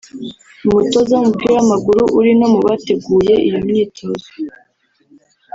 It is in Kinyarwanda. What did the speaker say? umutoza w’umupira w’amaguru uri no mu bateguye iyo myitozo